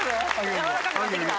やわらかくなってきた？